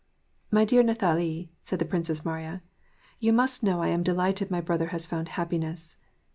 " My dear Nathalie," said the Princess Mariya, " you must know I am delighted my brother has found happi ness."